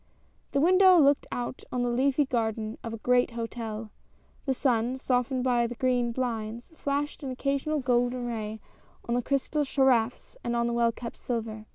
The window looked out on the leafy garden of a great hotel. The sun, softened by the green blinds, fiashed an occasional golden ray on the crystal carafes and on the well kept silver.